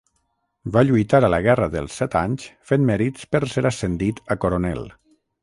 Va lluitar a la guerra dels Set Anys fent mèrits per ser ascendit a coronel.